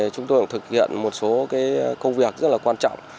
chúng tôi cũng thực hiện một số công việc rất là quan trọng